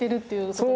そう！